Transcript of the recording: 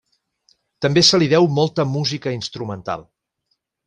També se li deu molta música instrumental.